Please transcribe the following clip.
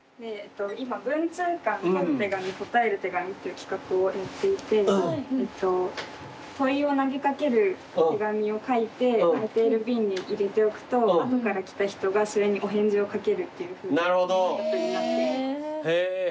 今「文通館問う手紙／答える手紙」という企画をやっていて問いを投げ掛ける手紙を書いて空いている瓶に入れておくと後から来た人がそれにお返事を書けるっていう企画になっています。